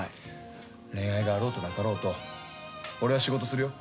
恋愛があろうとなかろうと俺は仕事するよ。